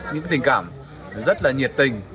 những tình cảm rất là nhiệt tình